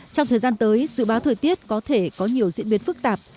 trong thời gian tới dự báo thời tiết có thể có nhiều diễn biến phức tạp